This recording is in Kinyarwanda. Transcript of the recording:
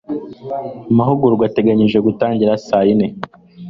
Amahugurwa ateganijwe gutangira saa yine.